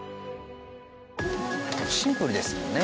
シンプルですもんね